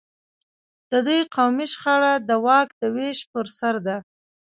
د دوی قومي شخړه د واک د وېش پر سر ده.